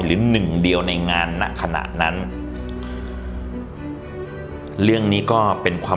หนึ่งเดียวในงานณขณะนั้นเรื่องนี้ก็เป็นความ